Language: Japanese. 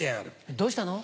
どうしたの？